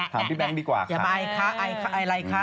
ถามพี่แบงก์ดีกว่าค่ะอย่าไปค่ะอะไรค่ะ